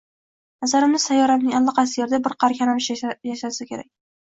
Nazarimda, sayyoramning allaqaysi yerida bir qari kalamush yashasa kerak.